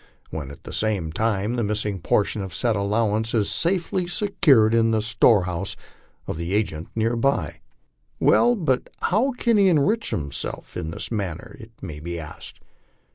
when at the same time the missing portion of said allowance is safely secured in the storehouse of the agent near by. Well, but how can he enrich himself in this manner? it may be asked.